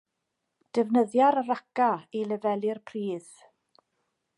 Defnyddia'r raca i lefelu'r pridd.